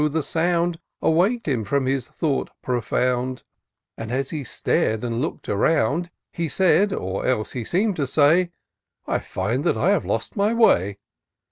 the sound Awak'd him from his thought profound ; And as he star'd, and look'd around, He said — or else he seem'd to say —" I j&nd that I have lost my way.